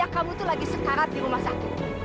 kamu tuh lagi sekarat di rumah sakit